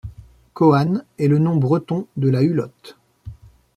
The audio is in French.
Kohann est le nom breton de la hulotte.